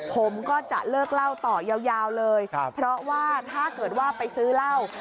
ผมก็จะเลิกเล่าต่อยาวเลยเพราะว่าถ้าเกิดว่าไปซื้อเหล้า